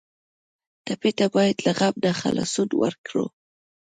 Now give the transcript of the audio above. ټپي ته باید له غم نه خلاصون ورکړو.